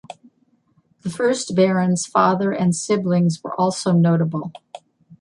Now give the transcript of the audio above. The first Baron's father and siblings were also notable.